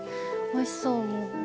おいしそうもう。